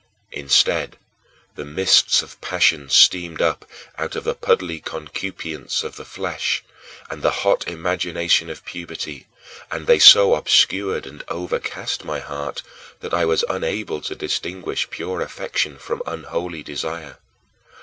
Instead, the mists of passion steamed up out of the puddly concupiscence of the flesh, and the hot imagination of puberty, and they so obscured and overcast my heart that I was unable to distinguish pure affection from unholy desire.